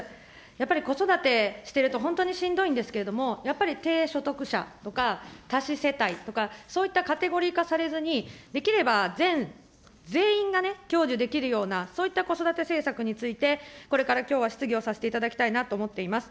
やっぱり子育てしてると、本当にしんどいんですけれども、やっぱり低所得者とか、多子世帯とか、そういったカテゴリー化されずに、できれば全、全員がね、享受できるような、そういった子育て政策について、これからきょうは質疑をさせていただきたいなと思っています。